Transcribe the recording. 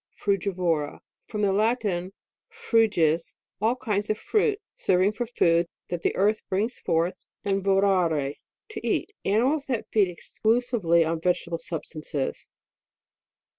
FRUGIVORA. From the Latin, fruges, all kinds of fruit, serving for food, that the earth brings forth, and vorare, to eat. Animals that feed exclusively on vegetable substances.